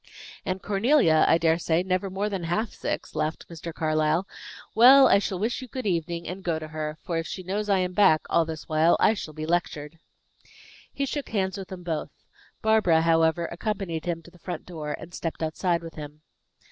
"And Cornelia, I dare say, never more than half six," laughed Mr. Carlyle. "Well, I shall wish you good evening, and go to her; for if she knows I am back all this while, I shall be lectured." He shook hands with them both. Barbara, however, accompanied him to the front door, and stepped outside with him.